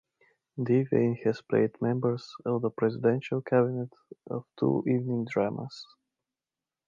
Devane has played members of the Presidential Cabinet on two evening dramas.